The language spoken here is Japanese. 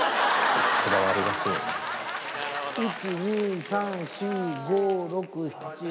１ ・２・３・４・５・６・７・ ８！